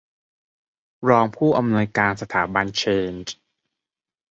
รองผู้อำนวยการสถาบันเชนจ์